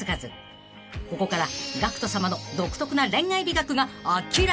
［ここからＧＡＣＫＴさまの独特な恋愛美学が明らかに］